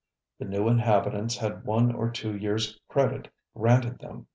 The new inhabitants had one or two years' credit granted them.